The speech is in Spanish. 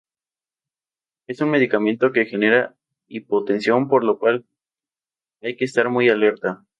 Es un medicamento que genera hipotensión por lo cual hay que estar muy alerta.